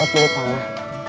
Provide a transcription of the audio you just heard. untuk pilih tanah